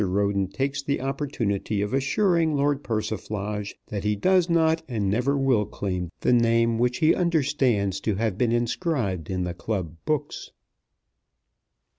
Roden takes the opportunity of assuring Lord Persiflage that he does not and never will claim the name which he understands to have been inscribed in the club books.